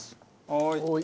はい。